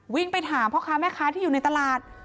ไปถามพ่อค้าแม่ค้าที่อยู่ในตลาด